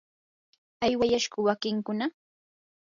¿aywayashku wakinkuna?